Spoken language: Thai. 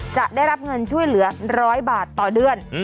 จะได้รับเงินช่วยเหลือ๑๐๐บาทต่อเดือน